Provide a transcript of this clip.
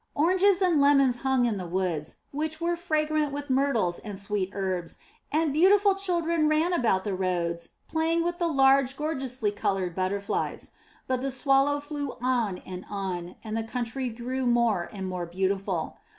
Oranges and lemons hung in the woods which were fragrant with myrtles and sweet herbs, and beautiful children ran about the roads playing with the large, gorgeously coloured butterflies. But the Swallow flew on and on, and the country grew more and more beautiful.